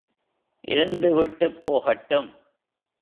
இருந்து விட்டுப் போகட்டும்.